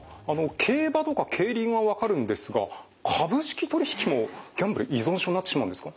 競馬とか競輪は分かるんですが株式取引もギャンブル依存症になってしまうんですか？